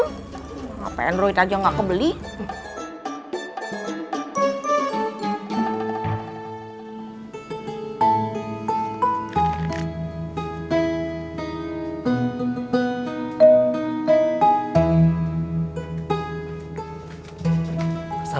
kenapa android aja gak ada